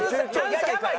やばい！